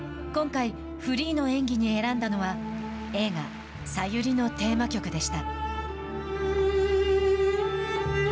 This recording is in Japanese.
今回、フリーの演技に選んだのは映画「ＳＡＹＵＲＩ」のテーマ曲でした。